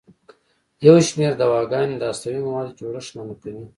یو شمېر دواګانې د هستوي موادو جوړښت منع کوي.